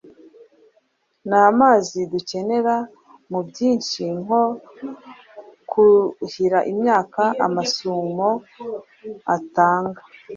namazi dukenera muri byinshi, nko kuhira imyaka, amasumo atanga